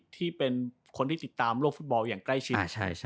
ที่เป็นคนที่ติดตามโลกฟุตบอลอย่างใกล้ชิด